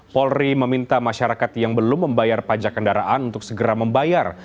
polri meminta masyarakat yang belum membayar pajak kendaraan untuk segera membayar